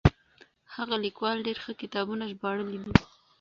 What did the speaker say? هغه ليکوال ډېر ښه کتابونه ژباړلي دي.